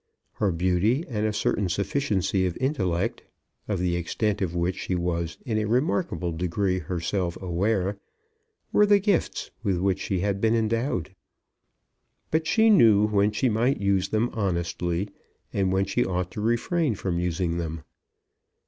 Her beauty, and a certain sufficiency of intellect, of the extent of which she was in a remarkable degree herself aware, were the gifts with which she had been endowed. But she knew when she might use them honestly and when she ought to refrain from using them.